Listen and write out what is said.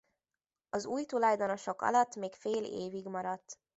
Az új tulajdonosok alatt még fél évig maradt.